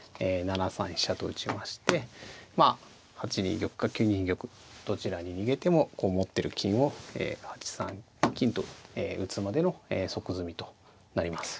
７三飛車と打ちましてまあ８二玉か９二玉どちらに逃げてもこう持ってる金を８三金と打つまでの即詰みとなります。